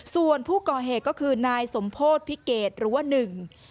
ส่วนผู้ก่อเหตุก็คือนายสมโพธิพิเกตหรือว่าหนึ่ง